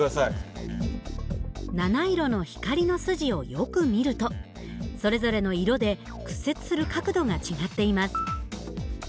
７色の光の筋をよく見るとそれぞれの色で屈折する角度が違っています。